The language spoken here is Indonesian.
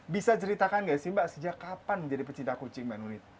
bisa ceritakan nggak sih mbak sejak kapan menjadi pecinta kucing mbak nunit